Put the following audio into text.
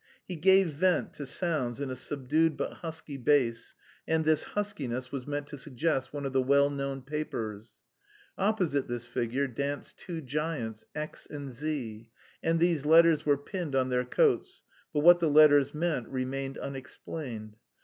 He gave vent to sounds in a subdued but husky bass, and this huskiness was meant to suggest one of the well known papers. Opposite this figure danced two giants, X and Z, and these letters were pinned on their coats, but what the letters meant remained unexplained.